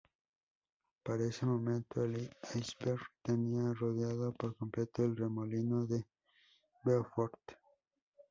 Para ese momento, el iceberg tenía rodeado por completo el remolino de Beaufort.